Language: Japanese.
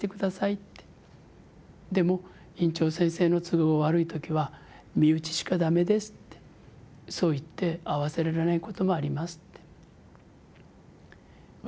でも院長先生の都合が悪い時は『身内しか駄目です』ってそう言って会わせられないこともあります」って。